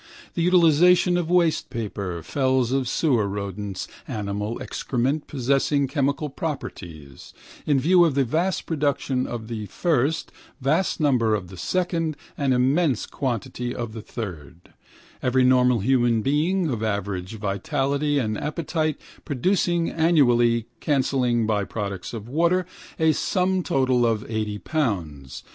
The utilisation of waste paper, fells of sewer rodents, human excrement possessing chemical properties, in view of the vast production of the first, vast number of the second and immense quantity of the third, every normal human being of average vitality and appetite producing annually, cancelling byproducts of water, a sum total of 80 lbs.